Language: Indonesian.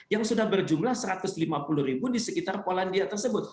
yang sudah berjumlah satu ratus lima puluh ribu di sekitar polandia tersebut